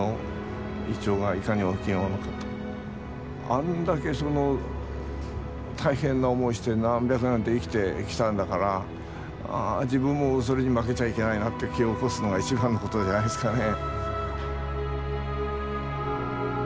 あんだけその大変な思いして何百年と生きてきたんだから自分もそれに負けちゃいけないなって気を起こすのが一番のことじゃないですかね。